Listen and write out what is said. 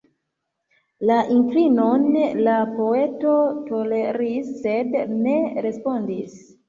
La inklinon la poeto toleris sed ne respondis.